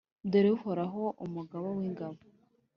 Dore Uhoraho, Umugaba w’ingabo,